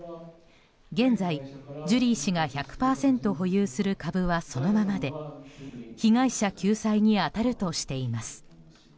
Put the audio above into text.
現在、ジュリー氏が１００％保有する株はそのままで被害者救済に当たるとしています。